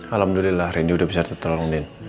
alhamdulillah rendy udah bisa tertolongin